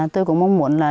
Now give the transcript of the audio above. tôi cũng mong muốn là